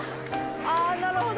あなるほど！